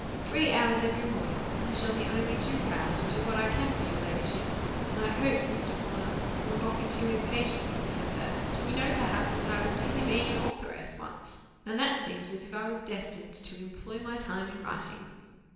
Three hours every morning! I shall be only too proud to do what I can for your ladyship; and I hope Mr. Horner will not be too impatient with me at first. You know, perhaps, that I was nearly being an authoress once, and that seems as if I was destined to 'employ my time in writing.